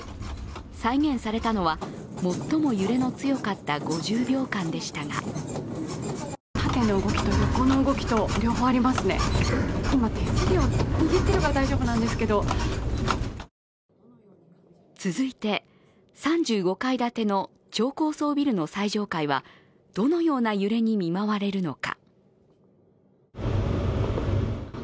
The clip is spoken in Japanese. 再現されたのは、最も揺れの強かった５０秒間でしたが続いて３５階建ての超高層ビルの最上階はどのような揺れに見舞われるのか。